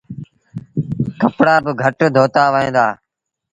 ڪپڙآ با گھٽ دوتآ وهيݩ دآ۔